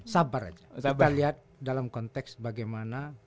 sabar aja kita lihat dalam konteks bagaimana